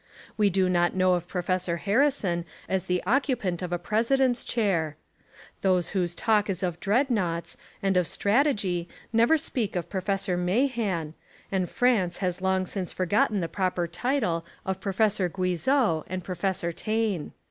We do not know of Professor Harrison as the occupant of a President's chair. Those whose talk is of dreadnoughts and of strategy never speak of Professor Mahan, and France has long since forgotten the proper title of Pro fessor Guizot and Professor Taine.